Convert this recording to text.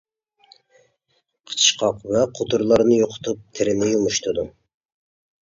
قىچىشقاق ۋە قوتۇرلارنى يوقىتىپ، تېرىنى يۇمشىتىدۇ.